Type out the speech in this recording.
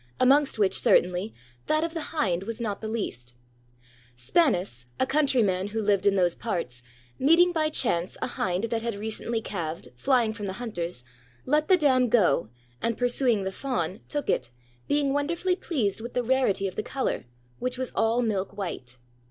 Amongst which, certainly, that of the hind was not the least. Spanus, a countryman who lived in those parts, meeting by chance a hind that had recently calved, flying from the hunters, let the dam go, and pursuing the fawn, took it, being w^onderfully pleased wdth the rarity of the color, which was all milk white.